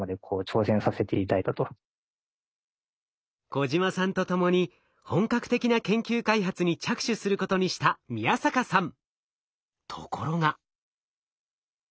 小島さんと共に本格的な研究開発に着手することにした宮坂さん。